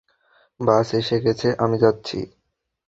বাস এসে গেছে, আমি যাচ্ছি।